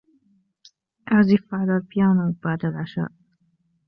أعزف على البيانو بعد العشاء.